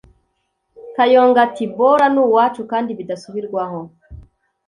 Kayonga ati “bora n’uwacu kandi bidasubirwaho”